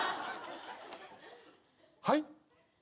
はい？